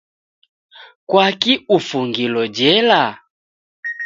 Kwaki ufungilo jela?